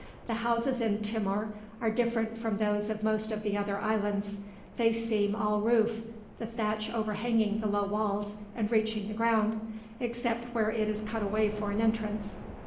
The houses in Timor are different from those of most of the other islands; they seem all roof, the thatch overhanging the low walls and reaching the ground, except where it is cut away for an entrance.